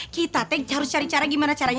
kita harus cari cara gimana caranya